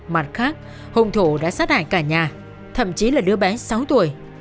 mặt khác hùng thổ đã sát hại cả nhà thậm chí là đứa bé sáu tuổi